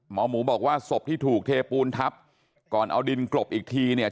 หมอหมูบอกว่าศพที่ถูกเทปูนทับก่อนเอาดินกลบอีกทีเนี่ย